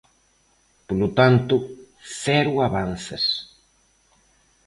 Polo tanto, cero avances.